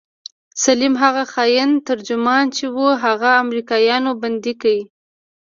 سليم هغه خاين ترجمان چې و هغه امريکايانو بندي کړى.